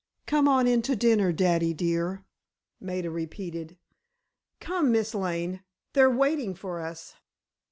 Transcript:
"Come on in to dinner, daddy, dear," Maida repeated. "Come, Miss Lane, they're waiting for us."